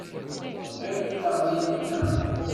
Tebɣiḍ ad taɣeḍ Yamina.